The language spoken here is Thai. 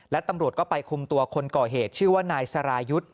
และตำรวจก็ไปคุมตัวคนก่อเหตุชื่อว่านายสรายุทธ์